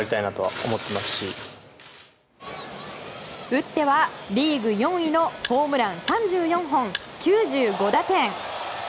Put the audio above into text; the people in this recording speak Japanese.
打ってはリーグ４位のホームラン３４本、９５打点。